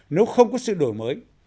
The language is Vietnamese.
nếu không có sự đổi mới